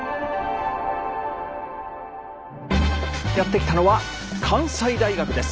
やって来たのは関西大学です。